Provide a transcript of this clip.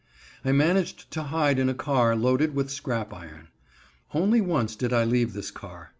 I managed to hide in a car loaded with scrap iron. Only once did I leave this car.